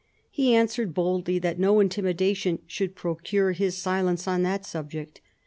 He answered boldly that no intimidation should procure his silence on that subject.